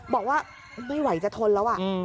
บอกว่าไม่ไหวจะทนแล้ว